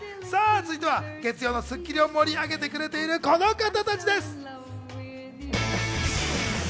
続いては、月曜の『スッキリ』を盛り上げてくれている、この方たちです。